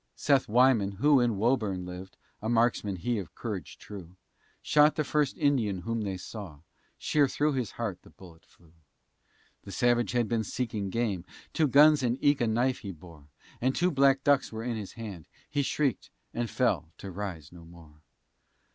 Seth Wyman, who in Woburn lived (A marksman he of courage true), Shot the first Indian whom they saw, Sheer through his heart the bullet flew. The savage had been seeking game, Two guns and eke a knife he bore, And two black ducks were in his hand, He shrieked, and fell, to rise no more.